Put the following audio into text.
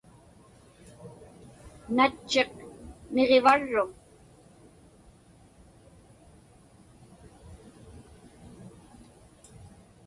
Natchiq niġivarruŋ?